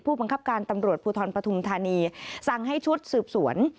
บังคับการตำรวจภูทรปฐุมธานีสั่งให้ชุดสืบสวน